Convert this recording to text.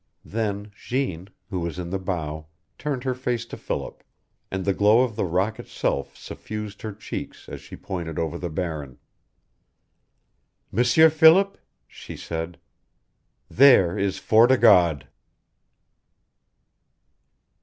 Then Jeanne, who was in the bow, turned her face to Philip, and the glow of the rock itself suffused her cheeks as she pointed over the barren. "M'sieur Philip," she said, "there is Fort o' God!"